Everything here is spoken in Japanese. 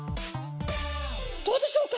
どうでしょうか？